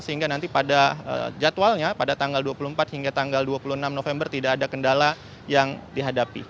sehingga nanti pada jadwalnya pada tanggal dua puluh empat hingga tanggal dua puluh enam november tidak ada kendala yang dihadapi